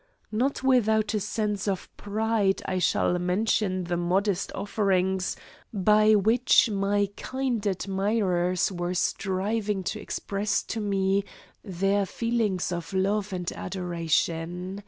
Not without a sense of pride I shall mention the modest offerings by which my kind admirers were striving to express to me their feelings of love and adoration.